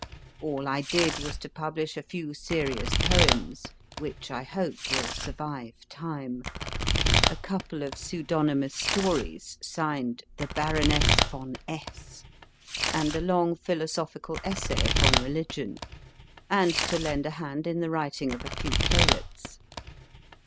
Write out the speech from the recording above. All I did was to publish a few serious poems (which, I hope, will survive Time], a couple of pseudonymous stories signed The Baroness Von S. (!), and a long philosophical essay upon religion, and to lend a hand in the writing of a few playlets.